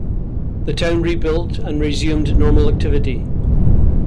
The town rebuilt and resumed normal activity.